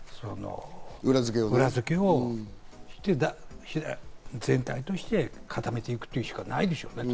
そして科学的な裏付けをして、全体として固めていくというしかないでしょうね。